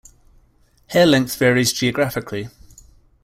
Hair length varies geographically.